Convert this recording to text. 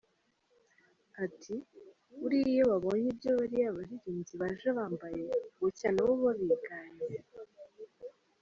Ati “buriya iyo babonye ibyo bariya baririmbyi baje bambaye, bucya nabo babyigannye”.